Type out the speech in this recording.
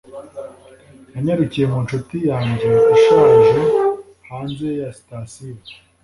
nanyarukiye mu nshuti yanjye ishaje hanze ya sitasiyo